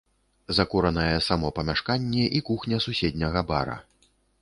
Закуранае само памяшканне і кухня суседняга бара.